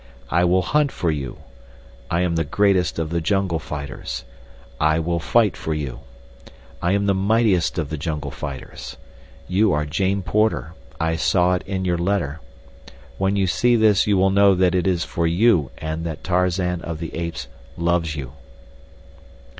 I will hunt for you. I am the greatest of the jungle fighters. I will fight for you. I am the mightiest of the jungle fighters. You are Jane Porter, I saw it in your letter. When you see this you will know that it is for you and that Tarzan of the Apes loves you.